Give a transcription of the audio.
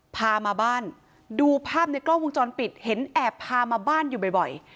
พามาบ้านดูภาพในกล้องวงจรปิดเห็นแอบพามาบ้านอยู่บ่อย